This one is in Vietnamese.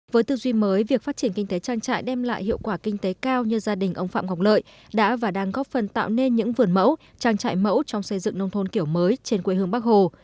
với tư duy mới việc phát triển kinh tế trang trại đem lại hiệu quả kinh tế cao như gia đình ông phạm ngọc lợi đã và đang góp phần tạo nên những vườn mẫu trang trại mẫu trong xây dựng nông thôn kiểu mới trên quê hương bắc hồ